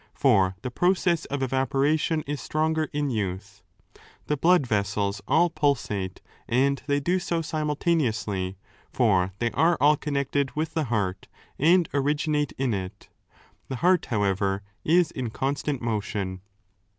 For the process of evaporation is stronger in youth. The blood vessels all pulsate, and 7 they do so simultaneously, for they are all connected with the heart and originate in it. The heart, however, is in constant motion.